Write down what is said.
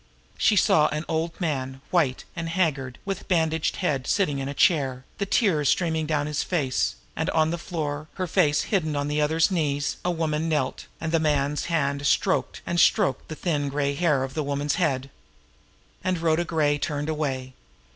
She saw an old man, white and haggard, with bandaged head, sitting in a chair, the tears streaming down his face; and on the floor, her face hidden on the other's knees, a woman knelt and the man's hand stroked and stroked the thin gray hair on the woman' s head. And Rhoda Gray turned away.